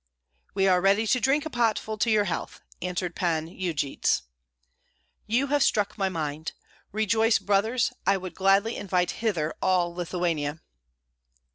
"We are ready to drink a potful to your health," answered Pan Yujits. "You have struck my mind. Rejoice, brothers; I would gladly invite hither all Lithuania."